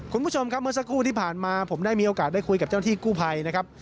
คุณผู้ชมครับเมื่อสักครู่ที่ผ่านมาผมได้มีโอกาสได้คุยกับเจ้าหน้าที่กู้ภัยนะครับ